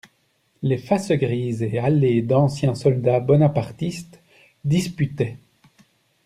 Les faces grises et hâlées d'anciens soldats bonapartistes disputaient.